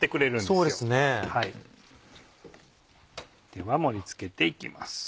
では盛り付けて行きます。